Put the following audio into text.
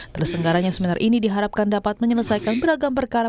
tersenggaranya seminar ini diharapkan dapat menyelesaikan beragam perkara